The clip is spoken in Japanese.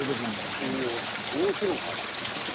収容大広間あります。